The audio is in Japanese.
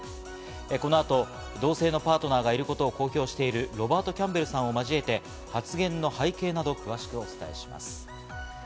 この後、同性のパートナーがいることを公表しているロバート・キャンベルさんを交えて、発言の背景など、詳しくお伝えします。